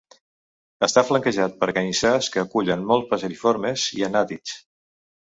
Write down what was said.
Està flanquejat per canyissars que acullen molts passeriformes i anàtids.